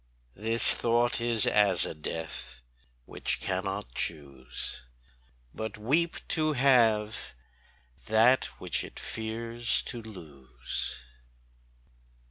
This thought is as a death which cannot choose But weep to have, that which it fears to lose.